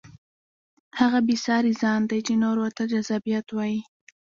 هغه بې ساري ځان دی چې نور ورته جذابیت وایي.